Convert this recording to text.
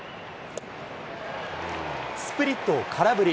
スプリットを空振り。